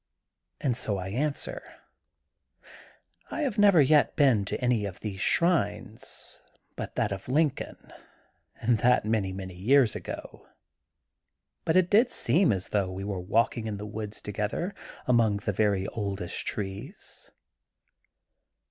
And so I answer: I have never yet been at any of these shrines but that of Lincoln and that many, many years ago. But it did seem as though we were walking in the woods to gether among the very oldest trees.